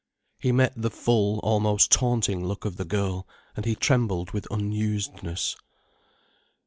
He met the full, almost taunting look of the girl, and he trembled with unusedness.